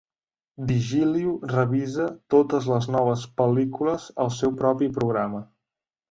Digilio revisa totes les noves pel·lícules al seu propi programa.